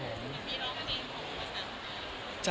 มีร้องเพลงของภาษากัมพูชา